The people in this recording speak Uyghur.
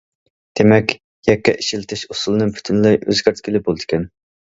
دېمەك يەككە ئىشلىتىش ئۇسۇلىنى پۈتۈنلەي ئۆزگەرتكىلى بولىدىكەن.